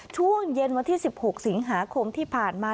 ช่วงเย็นวันที่๑๖สิงหาคมที่ผ่านมา